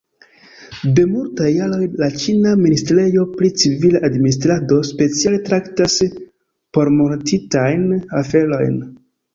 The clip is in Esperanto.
De multaj jaroj la ĉina ministrejo pri civila administrado speciale traktas pormortintajn aferojn.